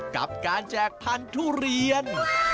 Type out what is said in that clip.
กับการแจกพันธุ์ทุเรียน